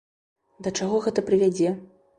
Да чаго гэта прывядзе?